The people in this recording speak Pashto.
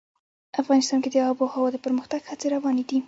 افغانستان کې د آب وهوا د پرمختګ هڅې روانې دي.